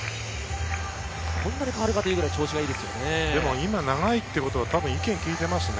こんなに変わるかというくらい調子がいいですよね。